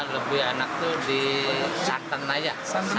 lebih enak di santan saja